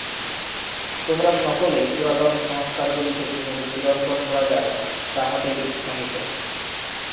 তোমরা সকলেই পুরাতন সংস্কারগুলিকে কিভাবে চিরন্তন করা যায়, তাহাতেই উৎসাহিত।